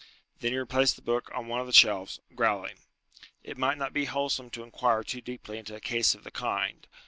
Then he replaced the book on one of the shelves, growling. "It might not be wholesome to inquire too deeply into a case of the kind.